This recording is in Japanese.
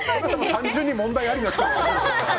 単純に問題ありな気が。